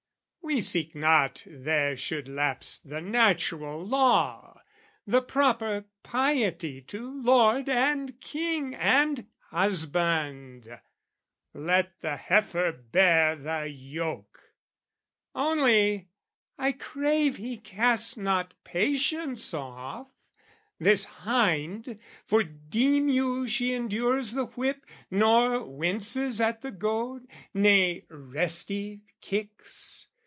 We seek not there should lapse the natural law, The proper piety to lord and king And husband: let the heifer bear the yoke! Only, I crave he cast not patience off, This hind; for deem you she endures the whip, Nor winces at the goad, nay, restive, kicks?